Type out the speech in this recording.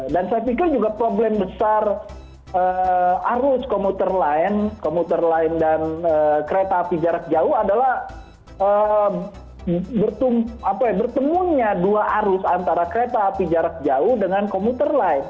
dan saya pikir juga problem besar arus komuter lain dan kereta api jarak jauh adalah bertemunya dua arus antara kereta api jarak jauh dengan komuter lain